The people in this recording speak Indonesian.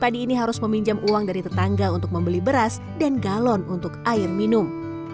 padi ini harus meminjam uang dari tetangga untuk membeli beras dan galon untuk air minum